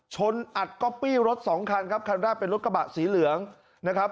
อัดก๊อปปี้รถสองคันครับคันแรกเป็นรถกระบะสีเหลืองนะครับ